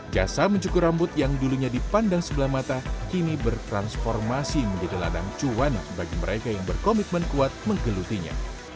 jasa mencukur rambut yang dulunya dipandang sebelah mata kini bertransformasi menjadi ladang cuan bagi mereka yang berkomitmen kuat menggelutinya